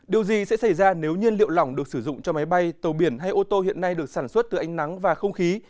điều gì sẽ xảy ra nếu nhiên liệu lỏng được sử dụng cho máy bay tàu biển hay ô tô hiện nay được sản xuất từ ánh nắng và không khí